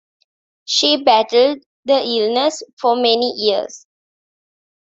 She battled the illness for many years.